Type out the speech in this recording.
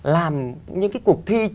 làm những cuộc thi